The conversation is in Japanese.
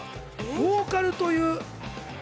ボーカルという？